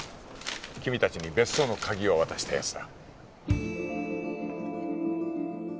君達に別荘の鍵を渡したやつだ